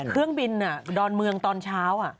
เครื่องบินดอนเมืองตอนเช้า